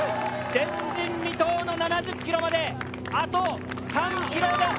前人未到の７０ｋｍまであと３ｋｍです。